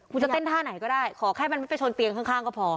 คุณจะเต้นท่าไหนก็ได้ขอแค่มันไม่ไปชนเตียงข้างก็พอ